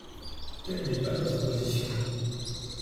Telle n’est pas notre position.